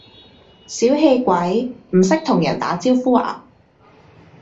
小氣鬼，唔識同人打招呼呀？